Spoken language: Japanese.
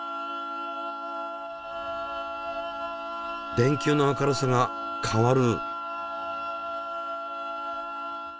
電球の明るさが変わる。